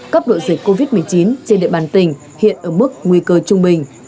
cấp độ dịch covid một mươi chín trên địa bàn tỉnh hiện ở mức nguy cơ trung bình